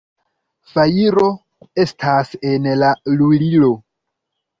Fajro estas en la lulilo!